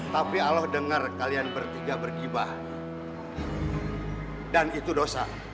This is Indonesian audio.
tapi allah dengar kalian bertiga berkibah dan itu dosa